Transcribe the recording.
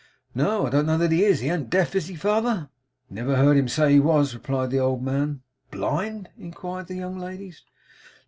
'No, I don't know that he is. He an't deaf, is he, father?' 'I never heard him say he was,' replied the old man. 'Blind?' inquired the young ladies.